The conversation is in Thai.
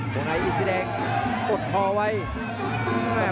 ตอนใดอิสดีแดงอดพอมาเว้ย